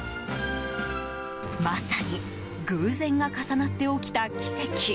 まさに偶然が重なって起きた奇跡。